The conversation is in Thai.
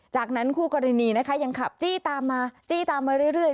จากนั้นคู่กรณีนะคะยังขับจี้ตามมาจี้ตามมาเรื่อย